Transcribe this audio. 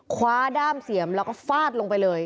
คว้าด้ามเสียมแล้วก็ฟาดลงไปเลย